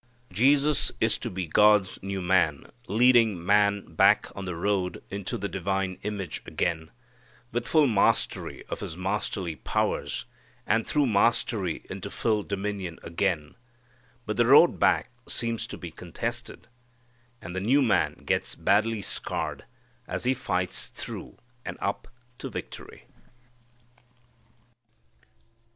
Jesus is to be God's new Man leading man back on the road into the divine image again, with full mastery of his masterly powers, and through mastery into full dominion again; but the road back seems to be contested, and the new Man gets badly scarred as He fights through and up to victory.